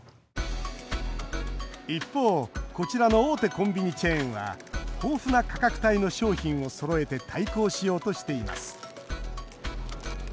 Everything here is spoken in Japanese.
コンビニチェーンは豊富な価格帯の商品をそろえて対抗しようとしています。